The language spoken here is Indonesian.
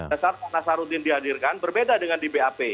pada saat pak nasarudin dihadirkan berbeda dengan di bap